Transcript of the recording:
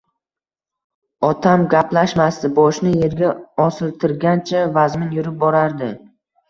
Otam gaplashmasdi, boshini yerga osiltirgancha vazmin yurib borardi.